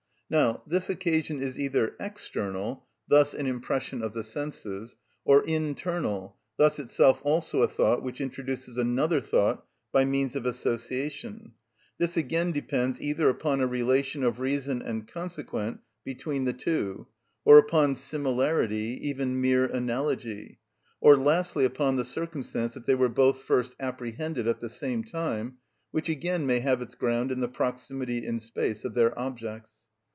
Now this occasion is either external, thus an impression of the senses, or internal, thus itself also a thought which introduces another thought by means of association. This again depends either upon a relation of reason and consequent between the two; or upon similarity, even mere analogy; or lastly upon the circumstance that they were both first apprehended at the same time, which again may have its ground in the proximity in space of their objects.